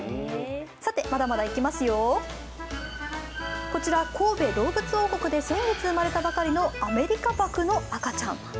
さて、まだまだいきますよ、こちら神戸どうぶつ王国で先月生まれたばかりのアメリカバクの赤ちゃん。